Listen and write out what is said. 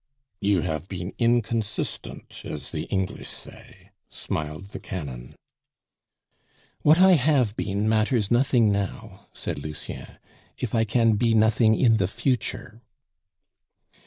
"You have been inconsistent, as the English say," smiled the canon. "What I have been matters nothing now," said Lucien, "if I can be nothing in the future."